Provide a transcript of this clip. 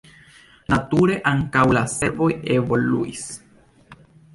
Nature ankaŭ la servoj evoluis.